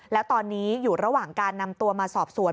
แล้วตอนนี้อยู่ระหว่างการนำตัวมาสอบสวน